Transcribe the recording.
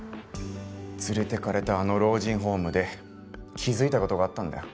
連れていかれたあの老人ホームで気づいた事があったんだよ。